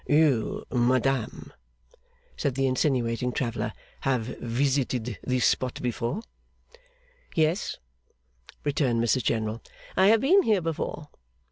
'You, madam,' said the insinuating traveller, 'have visited this spot before?' 'Yes,' returned Mrs General. 'I have been here before.